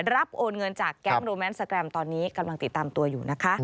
โอนเงินจากแก๊งโรแมนสแกรมตอนนี้กำลังติดตามตัวอยู่นะคะ